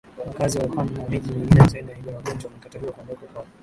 Wakazi wa Wuhan na miji mingine ya China yenye wagonjwa wamekataliwa kuondoka kwao